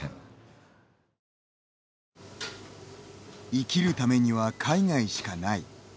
生きるためには、海外しかない。